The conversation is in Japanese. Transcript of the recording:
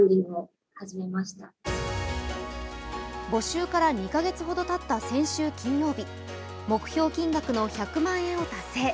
募集から２か月ほどたった先週金曜日、目標金額の１００万円を達成。